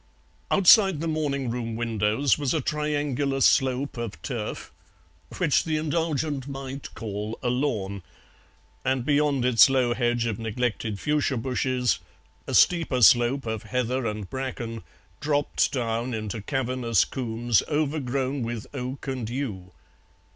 Outside the morning room windows was a triangular slope of turf, which the indulgent might call a lawn, and beyond its low hedge of neglected fuchsia bushes a steeper slope of heather and bracken dropped down into cavernous combes overgrown with oak and yew.